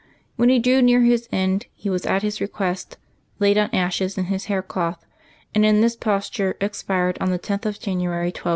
When he drew near his end, he was, at his request, laid on ashes in his hair cloth, and in this posture expired on the 10th of January, 1209.